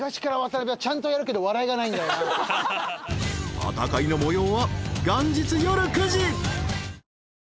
［戦いの模様は］